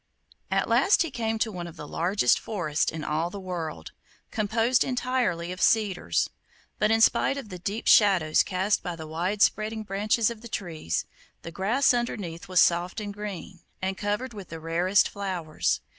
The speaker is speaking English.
At last he came to one of the largest forests in all the world, composed entirely of cedars. But in spite of the deep shadows cast by the wide spreading branches of the trees, the grass underneath was soft and green, and covered with the rarest flowers.